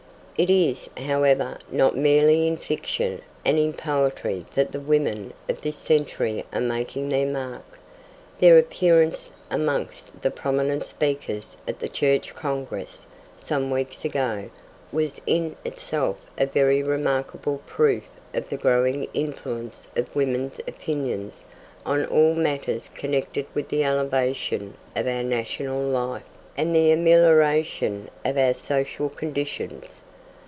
It is, however, not merely in fiction and in poetry that the women of this century are making their mark. Their appearance amongst the prominent speakers at the Church Congress, some weeks ago, was in itself a very remarkable proof of the growing influence of women's opinions on all matters connected with the elevation of our national life, and the amelioration of our social conditions.